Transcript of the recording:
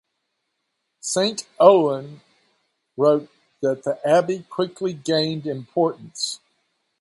Saint Audoin (Ouen) wrote that the abbey quickly gained importance.